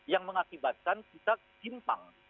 yang mengakibatkan kita timpang